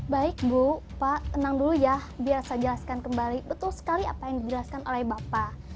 baik bu pak tenang dulu ya biar saya jelaskan kembali betul sekali apa yang dijelaskan oleh bapak